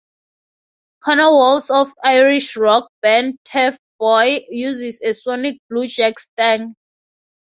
Conor Walls of Irish rock band Turfboy uses a Sonic Blue Jag-Stang.